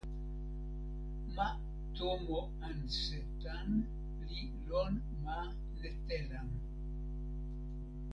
ma tomo Ansetan li lon ma Netelan.